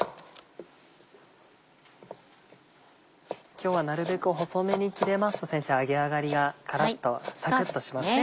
今日はなるべく細めに切れますと揚げ上がりがカラっとサクっとしますね。